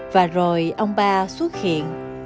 và rồi ông ba xuất hiện